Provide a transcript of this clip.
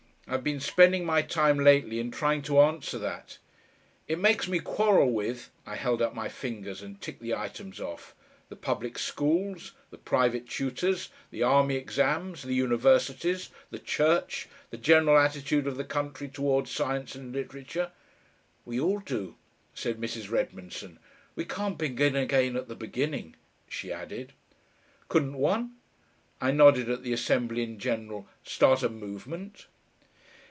I've been spending my time lately in trying to answer that! It makes me quarrel with" I held up my fingers and ticked the items off "the public schools, the private tutors, the army exams, the Universities, the Church, the general attitude of the country towards science and literature " "We all do," said Mrs. Redmondson. "We can't begin again at the beginning," she added. "Couldn't one," I nodded at the assembly in general, start a movement?